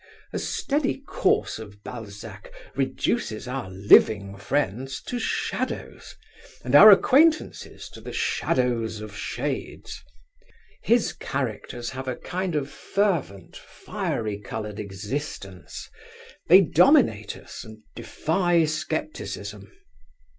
A steady course of Balzac reduces our living friends to shadows, and our acquaintances to the shadows of shades. His characters have a kind of fervent fiery coloured existence. They dominate us, and defy scepticism.